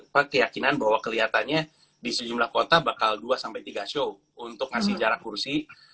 keyakinan bahwa kelihatannya di sejumlah kota bakal dua sampai tiga show untuk ngasih jarak kursi